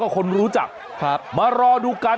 ขอบคุณครับขอบคุณครับ